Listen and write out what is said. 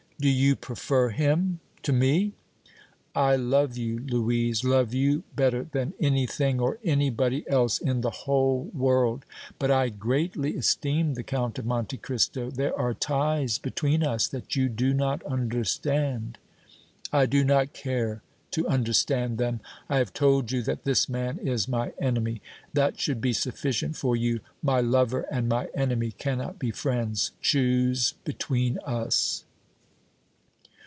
"Do you prefer him to me?" "I love you, Louise, love you better than anything or anybody else in the whole world! But I greatly esteem the Count of Monte Cristo. There are ties between us that you do not understand." "I do not care to understand them. I have told you that this man is my enemy. That should be sufficient for you. My lover and my enemy cannot be friends. Choose between us!"